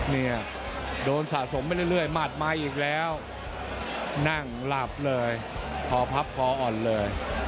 เนี่ยโดนสะสมไปเรื่อยหมัดมาอีกแล้วนั่งหลับเลยพอพับคออ่อนเลย